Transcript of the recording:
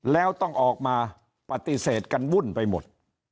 แล้วต้องออกมาปฏิเสธกันวุ่นไปหมด